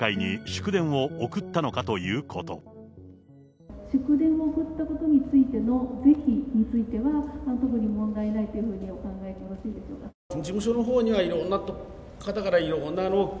祝電を送ったことについての是非については、問題ないというふうにお考えでよろしいでしょうか。